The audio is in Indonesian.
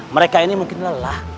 mereka ini mungkin lelah